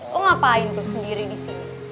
lo ngapain tuh sendiri di sini